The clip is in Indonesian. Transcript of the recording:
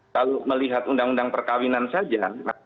kalau melihat undang undang perkawinan saja